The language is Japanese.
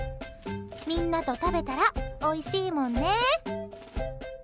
みんなと食べたらおいしいもんね。